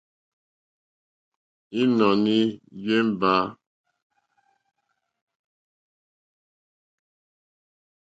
Ínɔ̀ní í yémbà.